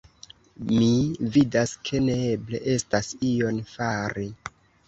Mi vidas, ke neeble estas ion fari!